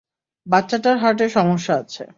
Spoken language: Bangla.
বাচ্চাটার হার্টে সমস্যা আছে।